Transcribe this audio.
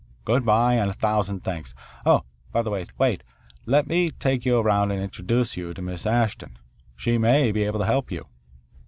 Good bye and a thousand thanks oh, by the way, wait. Let me take you around and introduce you to Miss Ashton. She may be able to help you."